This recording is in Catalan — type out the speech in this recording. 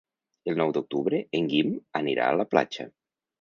El nou d'octubre en Guim anirà a la platja.